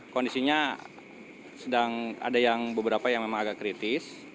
kondisinya sedang ada yang beberapa yang memang agak kritis